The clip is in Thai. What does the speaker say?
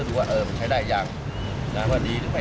มีไม่คะไม่นะ